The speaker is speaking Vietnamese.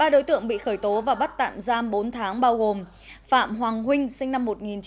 ba đối tượng bị khởi tố và bắt tạm giam bốn tháng bao gồm phạm hoàng huynh sinh năm một nghìn chín trăm tám mươi